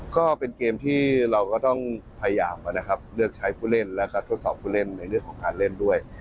ก็เป็นเกมที่เราก็ต้องพยายามนะครับเลือกใช้ผู้เล่นแล้วก็ทดสอบผู้เล่นในเรื่องของการเล่นด้วย